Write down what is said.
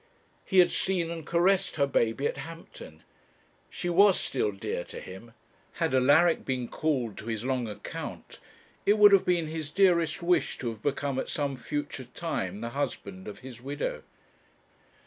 He had seen and caressed her baby at Hampton. She was still dear to him. Had Alaric been called to his long account, it would have been his dearest wish to have become at some future time the husband of his widow.